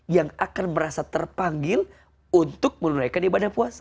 yang akan merasa terpanggil untuk menunaikan ibadah puasa